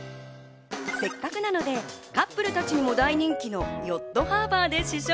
せっかくなので、カップルたちにも大人気のヨットハーバーで試食。